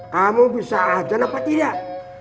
kamu bisa lajan apa tidak